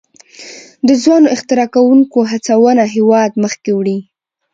د ځوانو اختراع کوونکو هڅونه هیواد مخکې وړي.